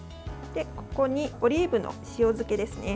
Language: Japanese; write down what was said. ここにオリーブの塩漬けですね。